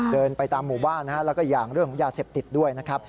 เดินไปตามหมู่บ้านนะฮะแล้วก็อย่างเรื่องของยาเสพติดด้วยนะครับ